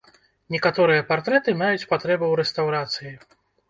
Некаторыя партрэты маюць патрэбу ў рэстаўрацыі.